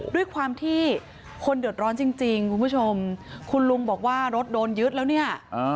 ด้วยความที่คนเดือดร้อนจริงคุณผู้ชมคุณลุงบอกว่ารถโดนยึดแล้วเนี่ย